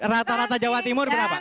rata rata jawa timur berapa